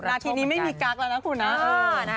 นาทีนี้ไม่มีกั๊กแล้วนะคุณนะ